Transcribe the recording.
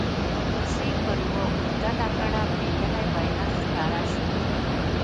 ورپسې پر يوه اوږده لکړه پېيلی بيرغ ښکاره شو.